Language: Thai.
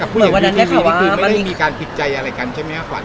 เมื่อวันนั้นนี่คุณไม่ใช่มีการผิดใจอะไรกันใช่มั้ยควร